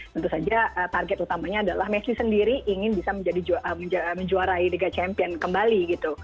tentu saja target utamanya adalah messi sendiri ingin bisa menjuarai liga champion kembali gitu